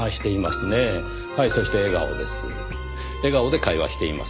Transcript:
はいそして笑顔です。